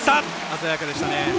鮮やかでしたね。